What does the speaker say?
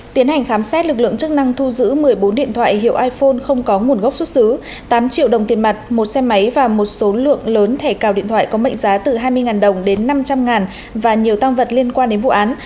tiến hành khám xét lực lượng chức năng thu giữ một mươi bốn điện thoại hiệu iphone không có nguồn gốc xuất xứ tám triệu đồng tiền mặt một xe máy và một số lượng lớn thẻ cào điện thoại có mệnh giá từ hai mươi đồng đến năm trăm linh và nhiều tăng vật liên quan đến vụ án